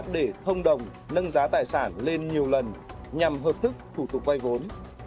để thông đồng nâng giá tài sản lên nhiều lần nhằm hợp thức thủ tục vay vốn